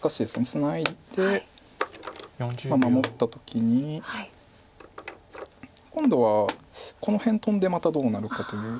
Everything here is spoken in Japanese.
ツナいで守った時に今度はこの辺トンでまたどうなるかという。